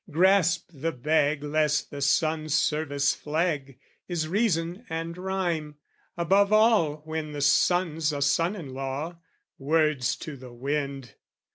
Grasp the bag Lest the son's service flag, is reason and rhyme, Above all when the son's a son in law. Words to the wind!